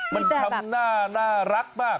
มันทำหน้าน่ารักมาก